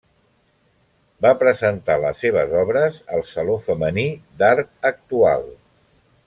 Va presentar les seves obres al Saló femení d'art actual.